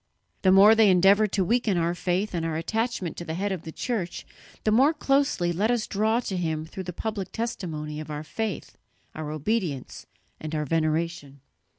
The more they endeavour to weaken our faith and our attachment to the head of the Church, the more closely let us draw to him through the public testimony of our faith, our obedience and our veneration."